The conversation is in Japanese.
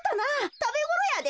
たべごろやで。